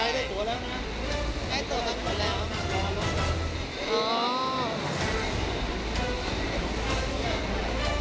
สุโขทัยได้ตัวแล้ว